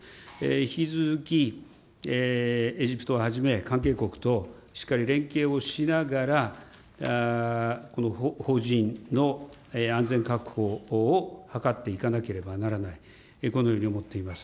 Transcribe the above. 引き続き、エジプトをはじめ、関係国としっかり連携をしながら、邦人の安全確保を図っていかなければならない、このように思っています。